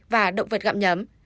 và động vật gặm nhấm